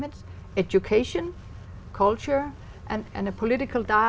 và chúng tôi mong rằng năm nay